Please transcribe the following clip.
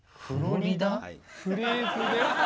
フレーズで？